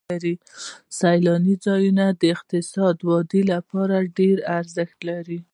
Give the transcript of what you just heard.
سیلاني ځایونه د اقتصادي ودې لپاره ډېر ارزښت لري.